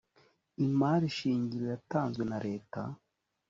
imari shingiro yatanzwe na leta